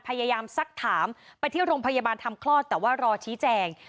สักถามไปที่โรงพยาบาลทำคลอดแต่ว่ารอชี้แจง